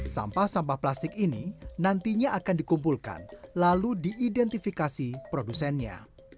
sampah sampah plastik ini nantinya akan dikumpulkan lalu diidentifikasi produsennya